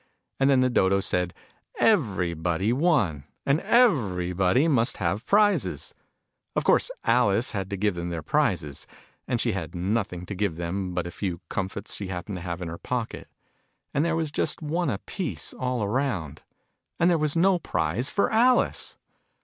And then the Dodo said everybody had won, and everybody must have prizes ! Of course Alice had to give them their prizes. And she had nothing to give them but a few comfits she happened to have in her pocket. And there was just one a piece, all round. And there was no prize for Alice!